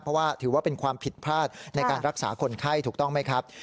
เพราะว่าถือว่าเป็นความผิดพลาดในการรักษาคนไข้ถูกต้องไหมครับ